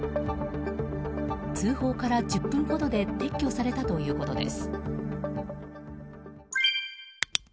通報から１０分ほどで撤去されたということです。